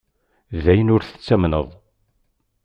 D ayen ur tettamneḍ!